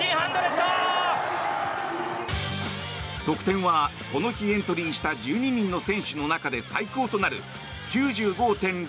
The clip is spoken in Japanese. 得点は、この日エントリーした１２人の選手の中で最高となる９５．００。